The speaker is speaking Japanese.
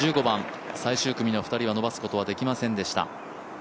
１５番、最終組の２人はスコアを伸ばすことができませんでした。